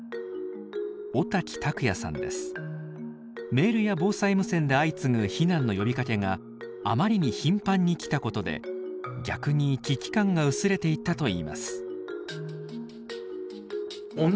メールや防災無線で相次ぐ避難の呼びかけがあまりに頻繁に来たことで逆に危機感が薄れていったといいます。